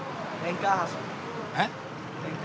えっ？